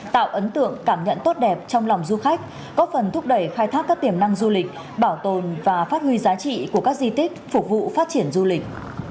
tạo ấn tượng cảm nhận tốt đẹp trong lòng du khách góp phần thúc đẩy khai thác các tiềm năng du lịch bảo tồn và phát huy giá trị của các di tích phục vụ phát triển du lịch